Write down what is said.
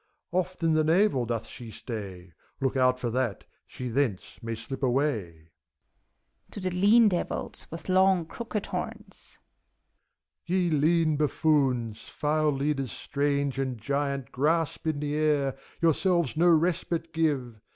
Oft in the navel doth she stay : Look out for that, she thence may slip away !( To the lean Devils, xvith long, crooked horns,) Ye lean buffoons, file leaders strange and giant. Grasp in the air, yourselves no respite give